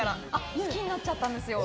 好きになっちゃったんですよ。